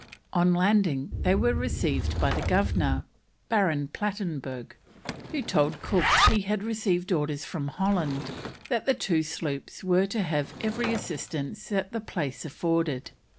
On landing they were received by the Governor, Baron Plattenberg, who told Cook he had received orders from Holland that the two sloops were to have every assistance that the place afforded.